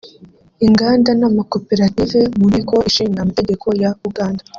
Inganda n’Amakoperative mu Nteko Ishinga Amategeko ya Uganda